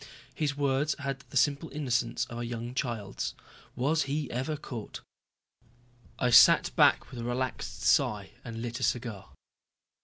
His words had the simple innocence of a young child's. Was he ever caught. I sat back with a relaxed sigh and lit a cigar.